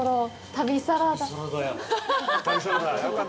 旅サラダや！